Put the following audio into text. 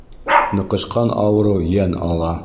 Ныҡышҡан ауырыу йән ала.